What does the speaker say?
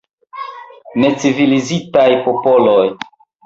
Necivilizitaj popoloj.